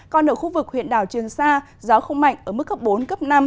còn ở khu vực huyện đảo trường sa gió không mạnh ở mức cấp bốn cấp năm